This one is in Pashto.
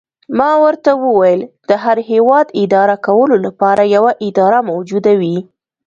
ما ورته وویل: د هر هیواد اداره کولو لپاره یوه اداره موجوده وي.